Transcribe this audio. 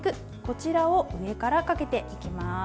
こちらを上からかけていきます。